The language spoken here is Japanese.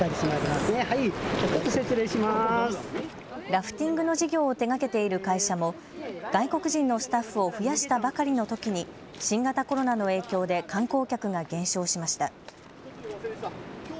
ラフティングの事業を手がけている会社も外国人のスタッフを増やしたばかりのときに新型コロナの影響で観光客が減少しました。